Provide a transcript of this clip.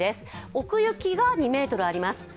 奥行きが２ｍあります。